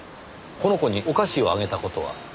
この子にお菓子をあげた事は？